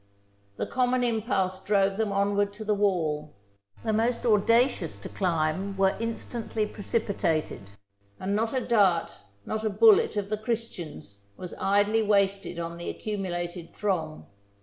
The common impulse drove them onward to the wall; the most audacious to climb were instantly precipitated ; and not a dart, not a bul let, of the Christians, was idly wasted on the accumulated throng.